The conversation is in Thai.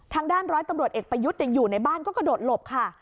ร้อยตำรวจเอกประยุทธ์อยู่ในบ้านก็กระโดดหลบค่ะ